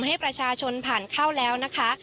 ให้ประชาชนผ่านเข้าแล้วนะคะ